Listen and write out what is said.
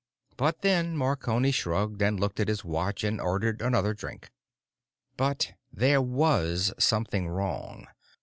But then Marconi shrugged and looked at his watch and ordered another drink. But there was something wrong.